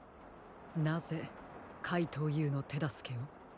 なぜかいとうＵのてだすけを？